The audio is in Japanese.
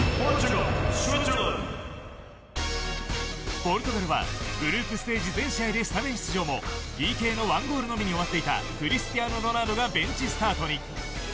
ポルトガルはグループステージ全試合スタメン出場もＰＫの１ゴールのみに終わっていたクリスティアーノ・ロナウドがベンチスタートに。